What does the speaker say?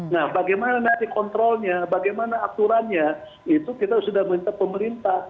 nah bagaimana nanti kontrolnya bagaimana aturannya itu kita sudah minta pemerintah